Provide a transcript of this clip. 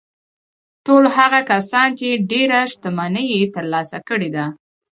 ټول هغه کسان چې ډېره شتمني يې ترلاسه کړې ده.